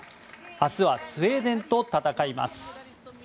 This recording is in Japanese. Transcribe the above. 明日はスウェーデンと戦います。